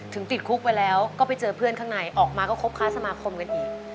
ติดคุกไปแล้วก็ไปเจอเพื่อนข้างในออกมาก็คบค้าสมาคมกันอีก